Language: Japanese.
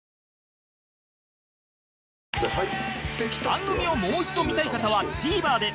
番組をもう一度見たい方は ＴＶｅｒ で